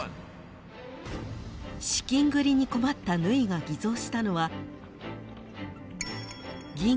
［資金繰りに困った縫が偽造したのは］